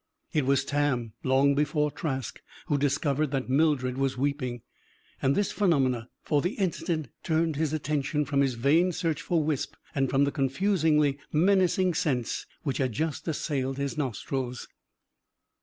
It was Tam, long before Trask, who discovered that Mildred was weeping. And this phenomenon, for the instant, turned his attention from his vain search for Wisp and from the confusingly menacing scents which had just assailed his nostrils.